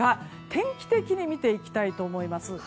天気的に見ていきたいと思います。